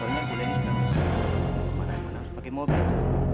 soalnya bu leni sudah bisa